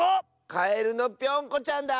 カエルのぴょんこちゃんだ！